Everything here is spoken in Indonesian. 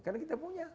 karena kita punya